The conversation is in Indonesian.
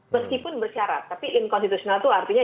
meskipun bersyarat tapi inkonstitusional itu artinya